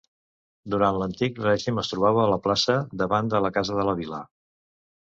Durant l'antic règim es trobava a la plaça davant de la Casa de la Vila.